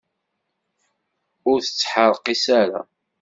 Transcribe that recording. Ur tettḥerqis ara.